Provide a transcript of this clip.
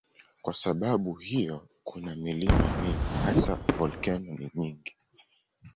Kwa sababu hiyo kuna milima mingi, hasa volkeno ni nyingi.